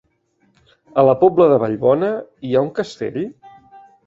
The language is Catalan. A la Pobla de Vallbona hi ha un castell?